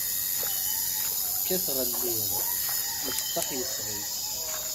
Kkateɣ llir, iceṭṭaḥ yesɣi.